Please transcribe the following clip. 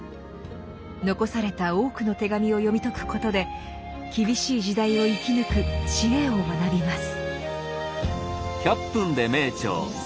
残された多くの手紙を読み解くことで厳しい時代を生き抜く知恵を学びます。